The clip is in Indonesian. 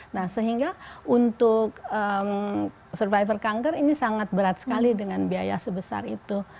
nah sehingga untuk survivor kanker ini sangat berat sekali dengan biaya sebesar itu